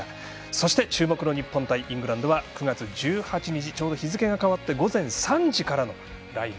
そして、注目の日本対イングランドは９月１８日ちょうど日付が変わって午前３時からのライブ。